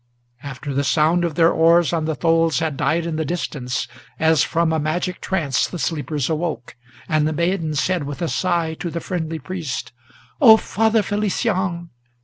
After the sound of their oars on the tholes had died in the distance, As from a magic trance the sleepers awoke, and the maiden Said with a sigh to the friendly priest, "O Father Felician!